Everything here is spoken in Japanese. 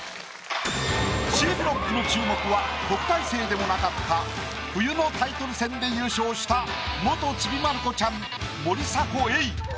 Ｃブロックの注目は特待生でもなかった冬のタイトル戦で優勝した元ちびまる子ちゃん森迫永依。